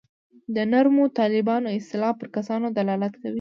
د نرمو طالبانو اصطلاح پر کسانو دلالت کوي.